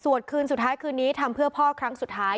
คืนสุดท้ายคืนนี้ทำเพื่อพ่อครั้งสุดท้าย